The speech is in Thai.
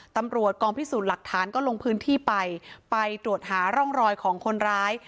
ตำรวจกองพิสูจน์หลักฐานก็ลงพื้นที่ไปไปตรวจหาร่องรอยของคนร้าย